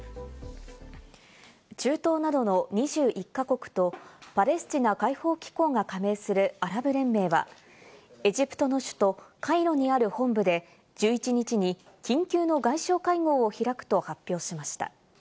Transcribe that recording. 中東などの２１か国とパレスチナ解放機構が加盟するアラブ連盟は、エジプトの首都・カイロにある本部で１１日に緊急の外相会合を開くと発表しました。